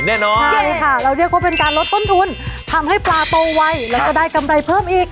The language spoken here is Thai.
แน่นอนใช่ค่ะเราเรียกว่าเป็นการลดต้นทุนทำให้ปลาโตไวแล้วก็ได้กำไรเพิ่มอีก